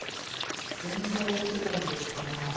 全然思ってたのと違うなあ。